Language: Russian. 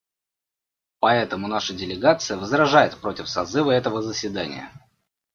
Поэтому наша делегация возражает против созыва этого заседания.